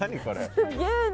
すげえな。